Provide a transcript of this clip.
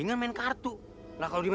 ibu buatkan kamu minuman